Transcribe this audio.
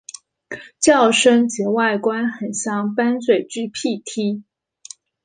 叫声及外观很像斑嘴巨䴙䴘。